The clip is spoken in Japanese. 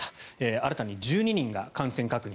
新たに１２人が感染確認。